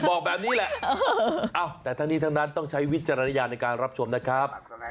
บอกแบบนี้แหละแต่ทั้งนี้ทั้งนั้นต้องใช้วิจารณญาณในการรับชมนะครับ